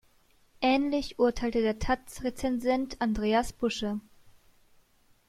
Ähnlich urteilte der "taz"-Rezensent Andreas Busche.